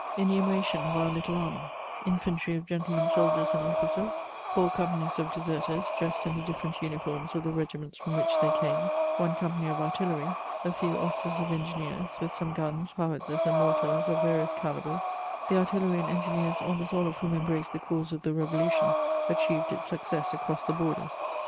Enumeration of our little army: Infantry of gentlemen soldiers and officers; four companies of deserters, dressed in the different uniforms of the regiments from which they came; one company of artillery; a few officers of engineers, with some guns, howitzers, and mortars of various calibres (the artillery and engineers, almost all of whom embraced the cause of the Revolution, achieved its success across the borders).